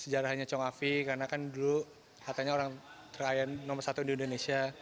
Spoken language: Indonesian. sejarahnya chong afi karena kan dulu katanya orang terakhir nomor satu di indonesia